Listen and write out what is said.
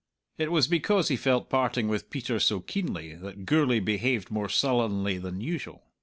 It was because he felt parting with Peter so keenly that Gourlay behaved more sullenly than usual.